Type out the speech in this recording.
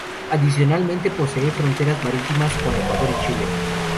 Adicionalmente posee fronteras marítimas con Ecuador y Chile.